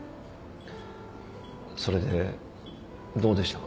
それでどうでしたか？